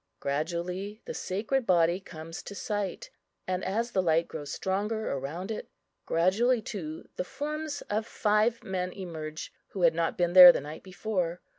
Gradually the sacred body comes to sight; and, as the light grows stronger around it, gradually too the forms of five men emerge, who had not been there the night before.